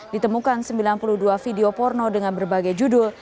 ditemukan sembilan puluh dua video porno dengan berbagai judul